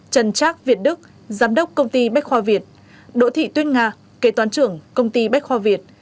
trần trác việt đức giám đốc công ty bách khoa việt đỗ thị tuyết nga kế toán trưởng công ty bách khoa việt